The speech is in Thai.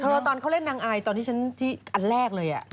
ตอนเขาเล่นนางอายตอนที่ฉันที่อันแรกเลย